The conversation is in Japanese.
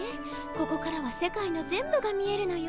ここからは世界の全部が見えるのよ。